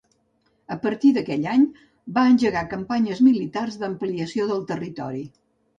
A partir d'aquell any va engegar campanyes militars d'ampliació del territori.